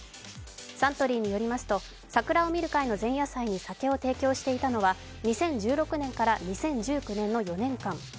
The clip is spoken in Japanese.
サントリーによりますと桜を見る会の前夜祭に酒を提供していたのは２０１６年から２０１９年の４年間。